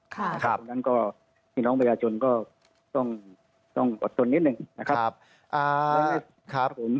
ครับครับดังนั้นก็ที่น้องพยาจนก็ต้องต้องอดทนนิดหนึ่งนะครับครับ